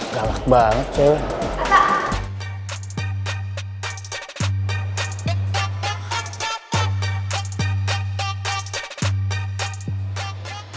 galak banget cewe